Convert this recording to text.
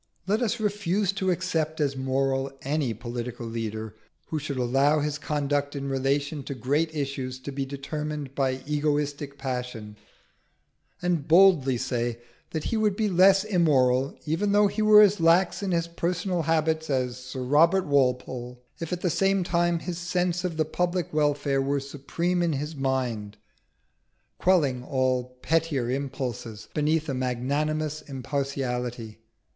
Let us refuse to accept as moral any political leader who should allow his conduct in relation to great issues to be determined by egoistic passion, and boldly say that he would be less immoral even though he were as lax in his personal habits as Sir Robert Walpole, if at the same time his sense of the public welfare were supreme in his mind, quelling all pettier impulses beneath a magnanimous impartiality.